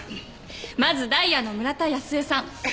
まずダイヤの村田泰江さん。